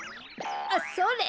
あっそれ！